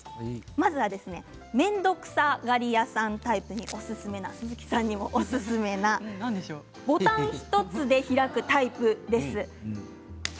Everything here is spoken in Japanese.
まずは面倒くさがり屋さんタイプにおすすめ鈴木さんにもおすすめなボタン１つで開くタイプです。